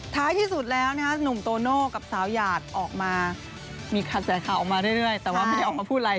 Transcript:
ท้ายที่สุดแล้วนะฮะหนุ่มโตโน่กับสาวหยาดออกมามีกระแสข่าวออกมาเรื่อยแต่ว่าไม่ได้ออกมาพูดอะไร